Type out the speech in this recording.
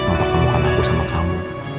untuk temukan aku sama kamu